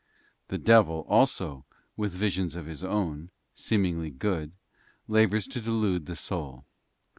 The devil, also, with visions of his own, seemingly good, labours to delude the soul.